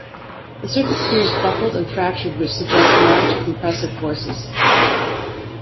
The surface appears buckled and fractured which suggests large compressive forces.